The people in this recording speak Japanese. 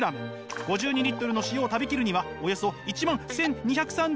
５２の塩を食べきるにはおよそ１万１，２３２日